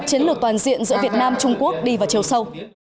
chiến lược toàn diện giữa việt nam trung quốc đi vào chiều sâu